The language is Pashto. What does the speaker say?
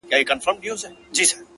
زما د ستړي ژوند مزل ژاړي- منزل ژاړي-